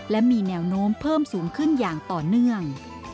และมีแนวโน้มเพิ่มสูงขึ้นอย่างต่อเนื่อง